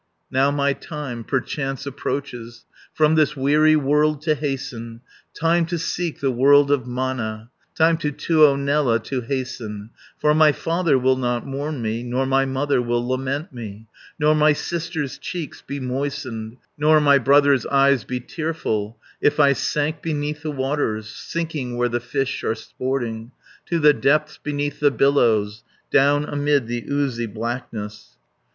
280 "Now my time perchance approaches, From this weary world to hasten, Time to seek the world of Mana, Time to Tuonela to hasten, For my father will not mourn me, Nor my mother will lament me, Nor my sister's cheeks be moistened, Nor my brother's eyes be tearful, If I sank beneath the waters, Sinking where the fish are sporting, 290 To the depths beneath the billows, Down amid the oozy blackness."